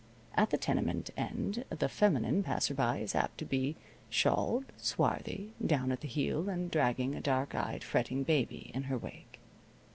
At the tenement end the feminine passer by is apt to be shawled, swarthy, down at the heel, and dragging a dark eyed, fretting baby in her wake.